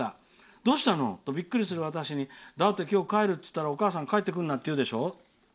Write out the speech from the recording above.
どうしたのとびっくりする私にだって今日帰るって言ったらお母さん、帰ってくるなって言うでしょう」。